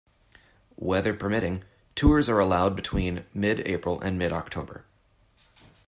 Weather permitting, tours are allowed between mid-April and mid-October.